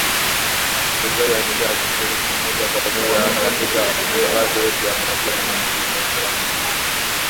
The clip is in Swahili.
Wasikilizaji waendelea kushiriki moja kwa moja hasa katika matangazo yetu ya Maswali na Majibu na Salamu Zenu.